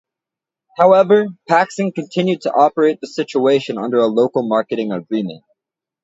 However, Paxson continued to operate the station under a local marketing agreement.